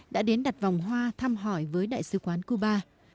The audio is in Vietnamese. đã đến đặt vòng hoa thăm hỏi với đại sứ quán cuba